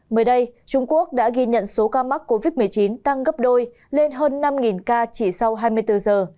mới đây trung quốc đã ghi nhận số ca mắc covid một mươi chín tăng gấp đôi lên hơn năm ca chỉ sau hai mươi bốn giờ